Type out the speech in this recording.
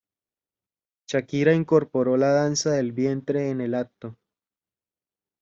Shakira incorporó la danza del vientre en el acto.